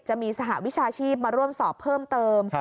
จะมีสหวิชาชีพมาร่วมสอบเพิ่มเติม